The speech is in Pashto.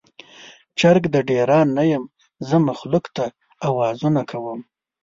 چرګ د ډیران نه یم، زه مخلوق ته اوازونه کوم